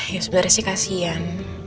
ya sebenarnya sih kasihan